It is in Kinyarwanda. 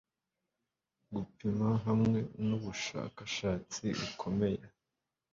Gupima hamwe nubushakashatsi bukomeye